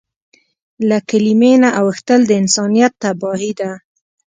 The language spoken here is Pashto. له کلیمې نه اوښتل د انسانیت تباهي ده.